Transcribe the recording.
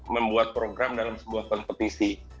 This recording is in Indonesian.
membuat program dalam sebuah kompetisi